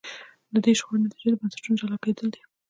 د دې شخړو نتیجه د بنسټونو جلا کېدل دي.